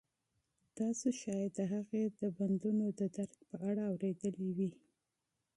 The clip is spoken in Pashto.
تاسو شاید د هغې د بندونو د درد په اړه اوریدلي وي